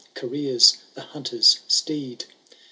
Careers the hunter's steed.